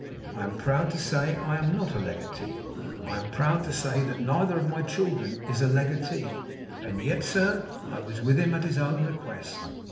I am proud to say I am not a legatee. I am proud to say that neither of my children is a legatee. And yet, sir, I was with him at his own request.